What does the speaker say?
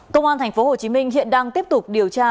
công an tp hcm hiện đang tiếp tục điều tra